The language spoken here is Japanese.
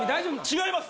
違います？